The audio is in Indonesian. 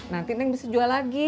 nanti neng bisa jual lagi